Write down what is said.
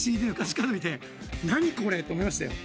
カード見て「何これ？」と思いましたよ。